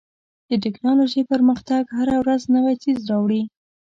د ټکنالوژۍ پرمختګ هره ورځ نوی څیز راوړي.